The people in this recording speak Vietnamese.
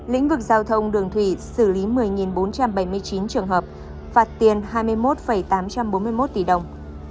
lĩnh vực giao thông đường thủy xử lý một mươi bốn trăm bảy mươi chín trường hợp phạt tiền hai mươi một tám trăm bốn mươi một tỷ đồng